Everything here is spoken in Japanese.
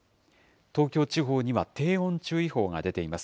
東京地方には低温注意報が出ています。